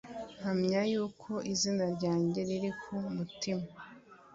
Mpamya yuko izina ryanjye riri ku mutima